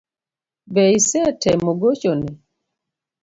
Be isetemo gocho ne